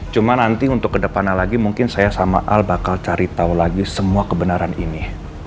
cuma nanti untuk kedepannya lagi mungkin saya sama al bakal cari tahu lagi semua kebenaran ini